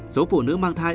số phụ nữ mang thai